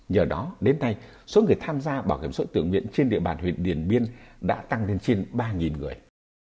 nhờ đó đến nay số người tham gia bảo hiểm xã hội tự nguyện trên địa bàn huyện điện biên đã tăng lên trên ba người